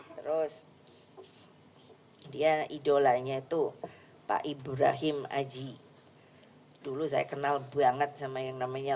terus dia idolanya itu pak ibrahim aji dulu saya kenal banget sama yang namanya